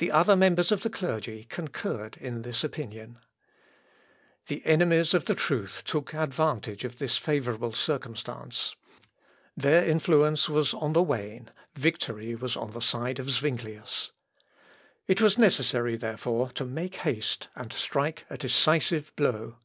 The other members of the clergy concurred in this opinion. So haben wirz von dem Metzger erkaufft... (Bullinger, MS.) The enemies of the truth took advantage of this favourable circumstance. Their influence was on the wane. Victory was on the side of Zuinglius. It was necessary, therefore, to make haste and strike a decisive blow.